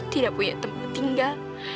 tidak punya tempat tinggal